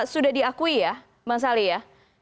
sudah diakui ya bang sali ya